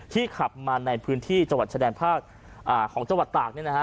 ขับมาในพื้นที่จังหวัดชะแดนภาคของจังหวัดตาก